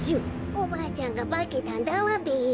おばあちゃんがばけたんだわべ。